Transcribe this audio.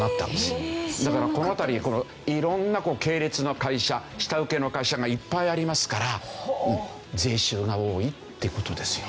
だからこの辺りこの色んな系列の会社下請けの会社がいっぱいありますから税収が多いって事ですよ。